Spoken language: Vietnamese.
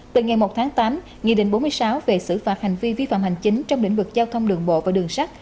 từ ngày một tháng tám nghị định bốn mươi sáu về xử phạt hành vi vi phạm hành chính trong lĩnh vực giao thông đường bộ và đường sắt